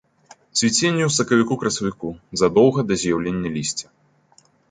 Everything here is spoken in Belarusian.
Цвіценне ў сакавіку-красавіку, задоўга да з'яўлення лісця.